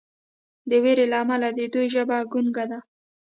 د ویرې له امله د دوی ژبه ګونګه ده.